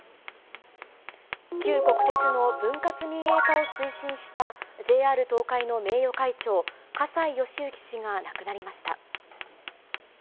旧国鉄の分割民営化を推進したＪＲ東海の名誉会長、葛西敬之氏が亡くなりました。